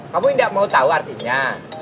kamu gak mau tau artinya